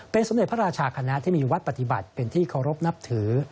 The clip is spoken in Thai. เป็นสมเด็จพระราชาคณะที่มีวัดปฏิบัติเป็นที่เคารพนับถือ